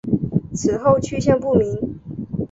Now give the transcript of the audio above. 此后去向不明。